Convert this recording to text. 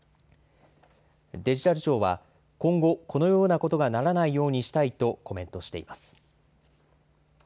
デジタル庁は、今後、このようなことがないようにしたいとコメントしています。